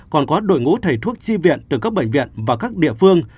còn có đội ngũ thầy thuốc chi viện từ các bệnh viện và các địa phương